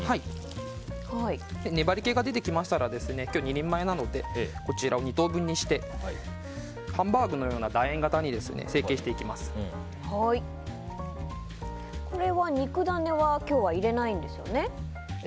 粘り気が出てきましたら今日は２人前なのでこちらを２等分にしてハンバーグのようなこれは肉ダネは今日は入れないんですよね？